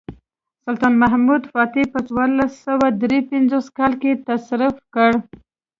سلطان محمد فاتح په څوارلس سوه درې پنځوس کال کې تصرف کړ.